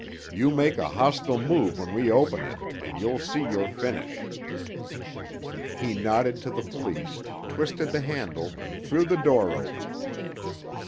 You make a hostile move when we open it, and you'll see your finish!" He nodded to the police, twisted the handle, and threw the door open.